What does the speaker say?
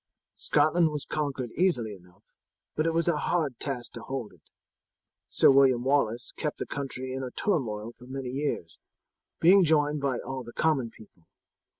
Scotland was conquered easily enough, but it was a hard task to hold it. Sir William Wallace kept the country in a turmoil for many years, being joined by all the common people.